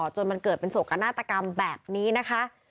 จนมันเกิดเป็นโศกนาฏกรรมแบบนี้นะคะ